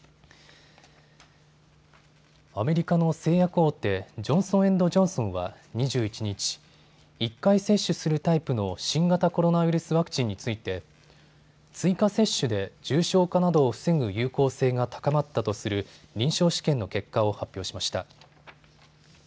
アメリカの製薬大手、ジョンソン・エンド・ジョンソンは２１日、１回接種するタイプの新型コロナウイルスワクチンについて追加接種で重症化などを防ぐ有効性が高まったとする臨床試験の結果を発表しました。